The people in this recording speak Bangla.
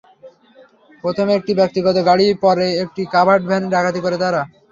প্রথমে একটি ব্যক্তিগত গাড়ি, পরে একটি কাভার্ড ভ্যানে ডাকাতি করে তারা।